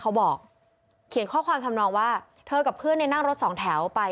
เขาบอกเขียนข้อความทำนองว่าเธอกับเพื่อนเนี่ยนั่งรถสองแถวไป